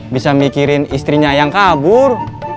bisa mikirin istrinya yang kabur